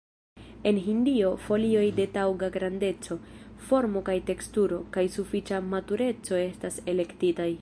En Hindio, folioj de taŭga grandeco, formo kaj teksturo, kaj sufiĉa matureco estas elektitaj.